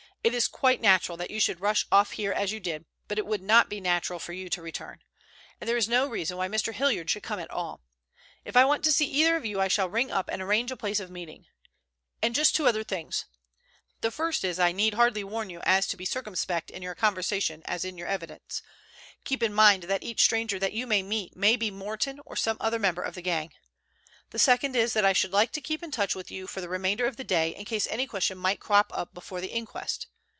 It is quite natural that you should rush off here as you did, but it would not be natural for you to return. And there is no reason why Mr. Hilliard should come at all. If I want to see either of you I shall ring up and arrange a place of meeting. And just two other things. The first is that I need hardly warn you to be as circumspect in your conversation as in your evidence. Keep in mind that each stranger that you may meet may be Morton or some other member of the gang. The second is that I should like to keep in touch with you for the remainder of the day in case any question might crop up before the inquest.